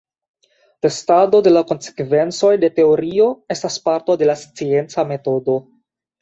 Testado de la konsekvencoj de teorio estas parto de la scienca metodo.